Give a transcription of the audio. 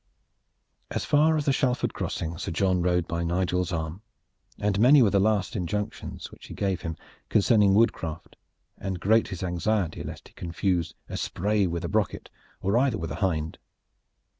As far as the Shalford crossing Sir John rode by Nigel's arm, and many were the last injunctions which he gave him concerning woodcraft, and great his anxiety lest he confuse a spay with a brocket, or either with a hind.